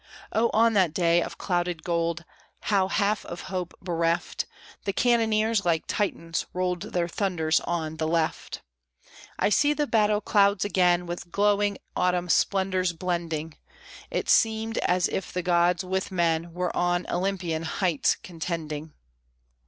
Oh! on that day of clouded gold, How, half of hope bereft, The cannoneers, like Titans, rolled Their thunders on the left! I see the battle clouds again, With glowing autumn splendors blending: It seemed as if the gods with men Were on Olympian heights contending.